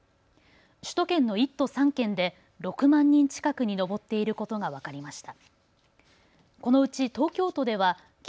首都圏の１都３県で６万人近くに上っていることが分かりました。